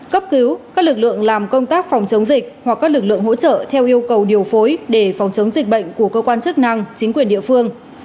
cấp cứu các lực lượng làm công tác phòng chống dịch hoặc các lực lượng hỗ trợ theo yêu cầu điều phối để phòng chống dịch bệnh của cơ quan chức năng chính quyền địa phương